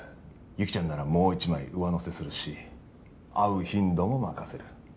雪ちゃんならもう一枚上乗せするし会う頻度も任せる。